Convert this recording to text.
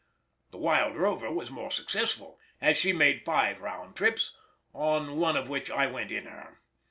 The Wild Rover was more successful, as she made five round trips, on one of which I went in her.